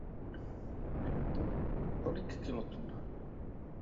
Nu, tolik kilotun.